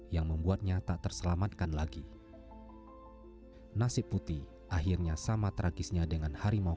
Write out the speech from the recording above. kabupaten tetangga pasaman barat